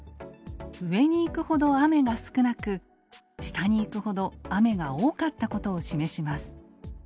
上に行くほど雨が少なく下に行くほど雨が多かったことを示します。